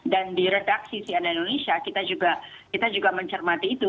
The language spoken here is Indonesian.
dan di redaksi cnn indonesia kita juga mencermati itu